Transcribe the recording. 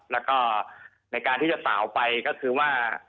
แล้วก็ในการที่จะสาวไฟก็คือว่า